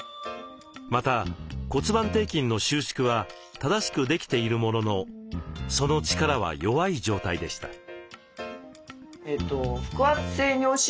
また骨盤底筋の収縮は正しくできているもののその力は弱い状態でした。